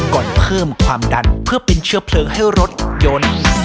ก่อนเพิ่มความดันเพื่อเป็นเชื้อเพลิงให้รถยนต์